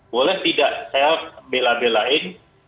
boleh tidak saya bela belain